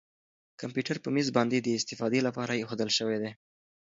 کمپیوټر په مېز باندې د استفادې لپاره اېښودل شوی دی.